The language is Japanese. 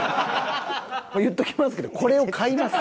言っておきますけどこれを買います。